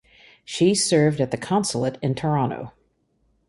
She served at the consulate in Toronto.